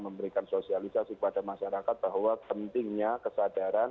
memberikan sosialisasi kepada masyarakat bahwa pentingnya kesadaran